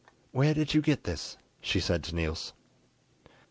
"Where did you get this?" she said to Niels.